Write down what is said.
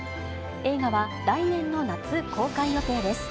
映画は来年の夏、公開予定です。